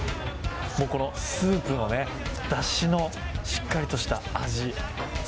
このスープのね出汁のしっかりとした味。